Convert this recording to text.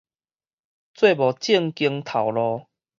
做無正經頭路